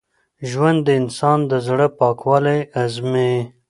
ژوند د انسان د زړه پاکوالی ازمېيي.